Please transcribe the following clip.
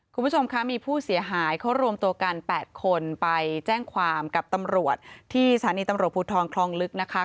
คุณผู้ชมคะมีผู้เสียหายเขารวมตัวกัน๘คนไปแจ้งความกับตำรวจที่สถานีตำรวจภูทรคลองลึกนะคะ